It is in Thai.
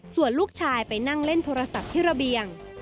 ส่วนลูกชายไปนั่งเล่นโทรศัพท์ที่ระเบียง